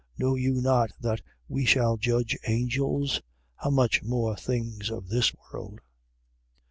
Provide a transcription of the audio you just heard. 6:3. Know you not that we shall judge angels? How much more things of this world?